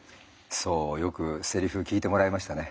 そうよくセリフ聞いてもらいましたね。